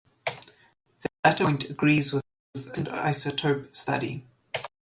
The latter point agrees with a recent isotope study.